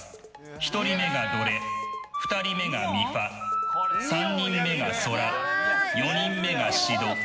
１人目がドレ２人目がミファ３人目がソラ４人目がシド。